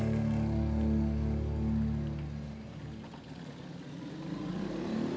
aku mau balik